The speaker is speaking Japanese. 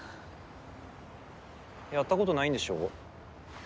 やったことないんでしょ？